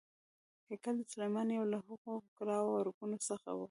هیکل سلیماني یو له هغو کلاوو او ارګونو څخه و.